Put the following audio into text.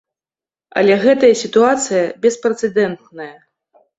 Але гэтая сітуацыя беспрэцэдэнтная.